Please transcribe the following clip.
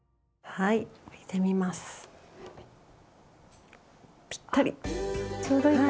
はいちょうどいい。